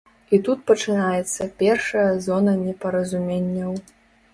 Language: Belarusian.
І тут пачынаецца першая зона непаразуменняў.